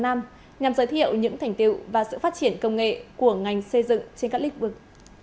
nhằm giới thiệu những thành tiệu và sự phát triển công nghệ của ngành xây dựng trên các lĩnh vực